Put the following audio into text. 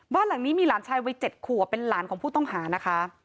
บ้านหลังนี้มีหลานชายวัย๗ขัวเป็นหลานของผู้ต้องหานะคะ